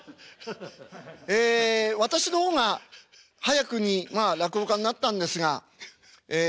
ええ私の方が早くにまあ落語家になったんですがええ